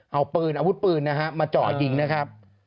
เอาปืนอาวุธปืนนะฮะมาเจาะยิงนะครับ